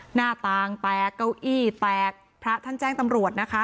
หน้าต่างแตกเก้าอี้แตกพระท่านแจ้งตำรวจนะคะ